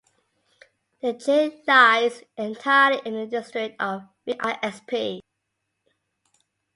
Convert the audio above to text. The chain lies entirely in the district of Visp.